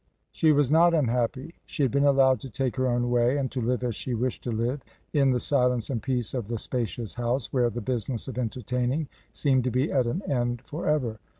She was not unhappy. She had been allowed to take her own way, and to live as she wished to live in the silence and peace of the spacious house, where the business of entertaining seemed to be at an end for ever.